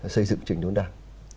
xây dựng trình đốn đảng